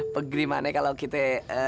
pegeri mana kalau kita